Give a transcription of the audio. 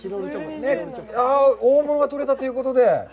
大物が採れたということで。